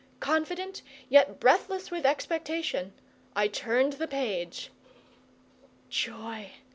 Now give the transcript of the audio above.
Confident, yet breathless with expectation, I turned the page. Joy!